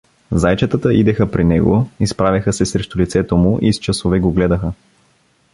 Зайчетата идеха при него, изправяха се срещу лицето му и с часове го гледаха.